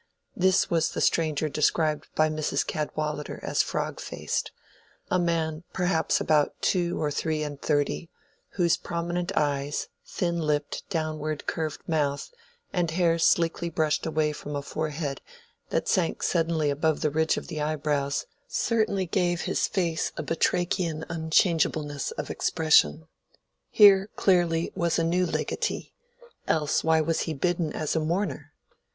This was the stranger described by Mrs. Cadwallader as frog faced: a man perhaps about two or three and thirty, whose prominent eyes, thin lipped, downward curved mouth, and hair sleekly brushed away from a forehead that sank suddenly above the ridge of the eyebrows, certainly gave his face a batrachian unchangeableness of expression. Here, clearly, was a new legatee; else why was he bidden as a mourner?